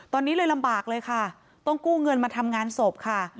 ตอนนี้เลยลำบากเลยค่ะต้องกู้เงินมาทำงานศพค่ะ